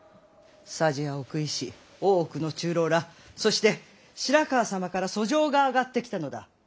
匙や奥医師大奥の中臈らそして白河様から訴状が上がってきたのだ！